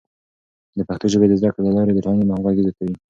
د پښتو ژبې د زده کړې له لارې د ټولنې همغږي زیاتوي.